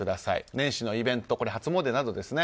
年始のイベント初詣などですね。